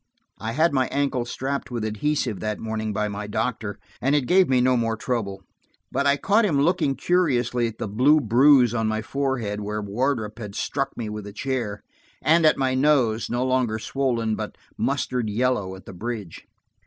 I had my ankle strapped with adhesive that morning by my doctor and it gave me no more trouble. But I caught him looking curiously at the blue bruise on my forehead where Wardrop had struck me with the chair, and at my nose, no longer swollen, but mustard yellow at the bridge.